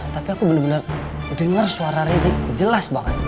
tapi aku benar benar dengar suara ready jelas banget